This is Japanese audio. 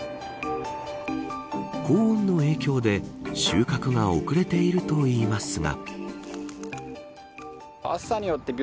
高温の影響で収穫が遅れているといいますが。